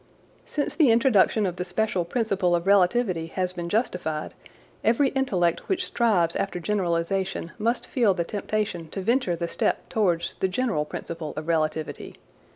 Since the introduction of the special principle of relativity has been justified, every intellect which strives after generalisation must feel the temptation to venture the step towards the general principle of relativity.